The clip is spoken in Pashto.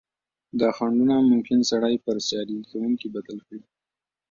دا خنډونه ممکن سړی پر سیالي کوونکي بدل کړي.